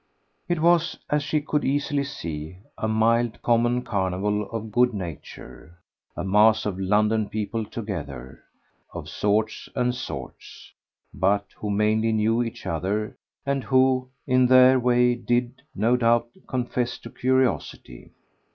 It was, as she could easily see, a mild common carnival of good nature a mass of London people together, of sorts and sorts, but who mainly knew each other and who, in their way, did, no doubt, confess to curiosity.